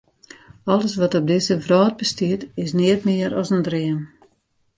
Alles wat op dizze wrâld bestiet, is neat mear as in dream.